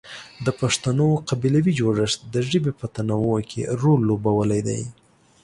د پښتنو قبیلوي جوړښت د ژبې په تنوع کې رول لوبولی دی.